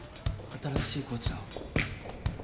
新しいコーチの。